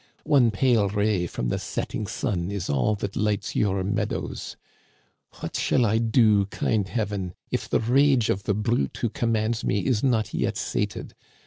One pale ray from the setting sun is all that lights your meadows. What shall I do, kind Heaven, if the rage of the brute who commands me is not yet sated